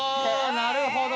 なるほど！